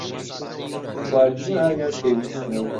خواردن و ئاویان پێویستە.